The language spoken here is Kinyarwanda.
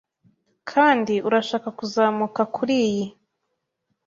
Kandi urashaka kuzamuka kuriyi